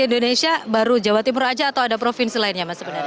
indonesia baru jawa timur aja atau ada provinsi lainnya mas sebenarnya